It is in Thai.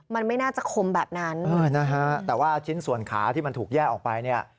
มันไม่น่าจะคมแบบนั้นเออนะฮะแต่ว่าชิ้นส่วนขาที่มันถูกแยกออกไปเนี่ย